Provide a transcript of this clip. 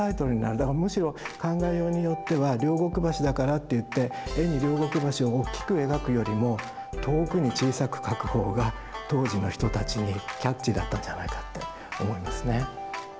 だからむしろ考えようによっては両国橋だからっていって絵に両国橋を大きく描くよりも遠くに小さく描く方が当時の人たちにキャッチーだったんじゃないかって思いますね。